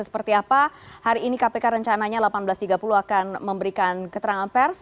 seperti apa hari ini kpk rencananya seribu delapan ratus tiga puluh akan memberikan keterangan pers